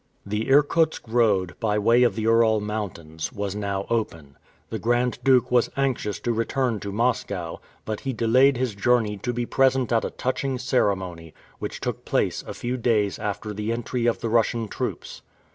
The Irkutsk road, by way of the Ural Mountains, was now open. The Grand Duke was anxious to return to Moscow, but he delayed his journey to be present at a touching ceremony, which took place a few days after the entry of the Russian troops.